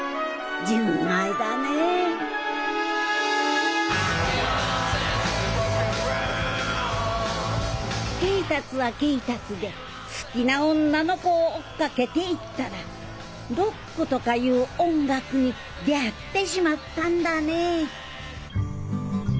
純愛だねえ恵達は恵達で好きな女の子を追っかけていったらロックとかいう音楽に出会ってしまったんだねえ